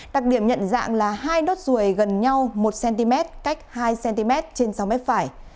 đặc điểm nhận dạng là hai nốt ruồi gần nhau một cm cách hai cm trên sáu m phải